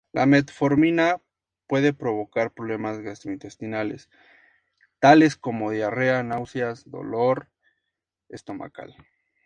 La metformina puede provocar problemas gastrointestinales, tales como diarrea, náuseas, dolor estomacal.